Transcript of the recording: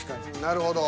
なるほど。